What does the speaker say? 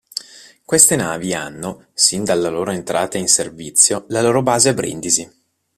Queste navi hanno, sin dalla loro entrata in servizio, la loro base a Brindisi.